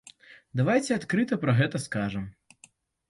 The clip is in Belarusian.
Давайце адкрыта пра гэта скажам!